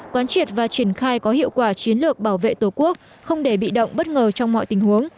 quán triệt và triển khai có hiệu quả chiến lược bảo vệ tổ quốc không để bị động bất ngờ trong mọi tình huống